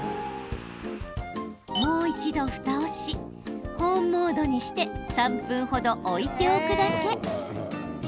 もう一度ふたをし保温モードにして３分程、置いておくだけ。